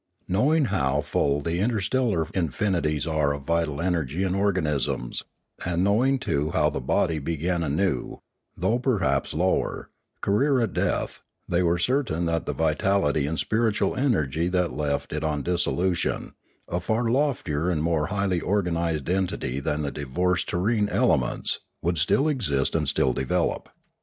Knowing how full the interstellar infinities are of vital energies and organisms, and knowing too how the body began a new, though perhaps lower, career at death, they were certain that the vitality and spiritual energy that left it on dissolution, a far loftier and more highly organised entity than the divorced terrene ele ments, would still exist and still develop.